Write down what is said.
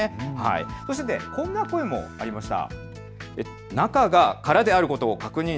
そしてこんな声もありました。